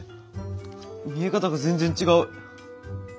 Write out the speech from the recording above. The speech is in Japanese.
見え方が全然違う。